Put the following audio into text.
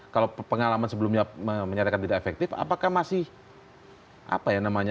kalau pengalaman sebelumnya menyatakan tidak efektif apakah masih apa ya namanya